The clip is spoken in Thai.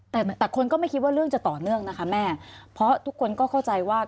แต่แต่คนก็ไม่คิดว่าเรื่องจะต่อเนื่องนะคะแม่เพราะทุกคนก็เข้าใจว่า